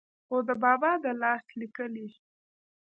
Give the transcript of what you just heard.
خو دَبابا دَلاس ليکلې